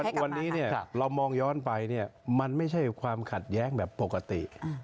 วันนี้เรามองย้อนไปมันไม่ใช่ความขัดแย้งแบบปกติ